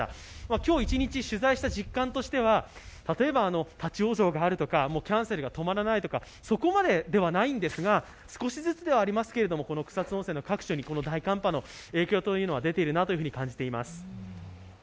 今日一日取材した実感としては例えば立往生があるとか、キャンセルが止まらないとかそこまでではないんですが、少しずつではありますけど草津温泉に大寒波の影響が出ているなと感じています。